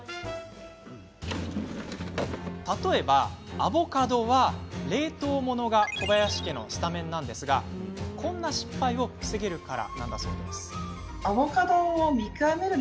例えば、アボカドは冷凍ものが小林家のスタメンですがこんな失敗も防げるから。